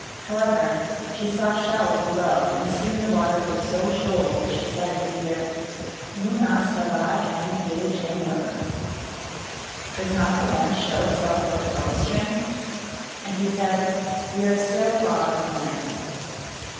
However, she saw shells below, and soon the water grew so shoal that she said in fear, " Moon as tabd kdn kwi jean nook ? (M.) Does not the land show itself like a bow string ?" And he said, " We are still far from land."